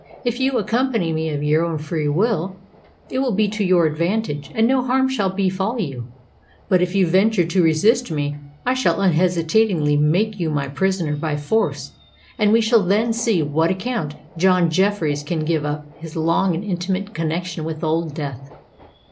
"If you accompany me of your own free will, it will be to your advantage, and no harm shall befall you: but if you venture to resist me, I shall unhesitatingly make you my prisoner by force; and we shall then see what account John Jeffreys can give of his long and intimate connexion with Old Death."